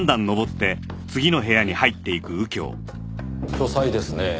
書斎ですねぇ。